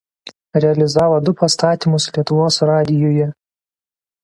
Realizavo du pastatymus Lietuvos radijuje.